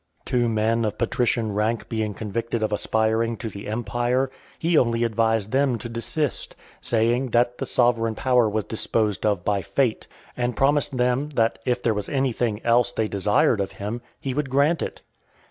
Two men of patrician rank being convicted of aspiring to the empire, he only advised them to desist, saying, "that the sovereign power was disposed of by fate," and promised them, that if there was any thing else they desired of him, he would grant it.